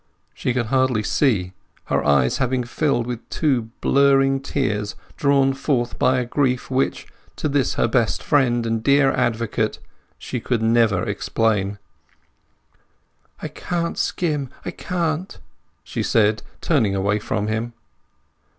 She could hardly see, her eyes having filled with two blurring tears drawn forth by a grief which, to this her best friend and dear advocate, she could never explain. "I can't skim—I can't!" she said, turning away from him.